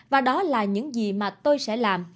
và đó là những gì mà tôi sẽ làm